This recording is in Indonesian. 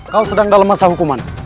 kau sedang dalam masa hukuman